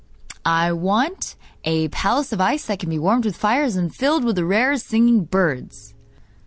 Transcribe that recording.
'I want a palace of ice that can be warmed with fires and filled with the rarest singing birds!